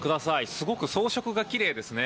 すごく装飾がきれいですね。